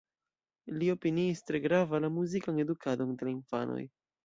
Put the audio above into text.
Li opiniis tre grava la muzikan edukadon de la infanoj.